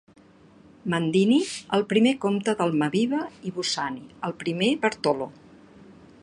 Mandini, el primer comte d'Almaviva, i Bussani, el primer Bartolo.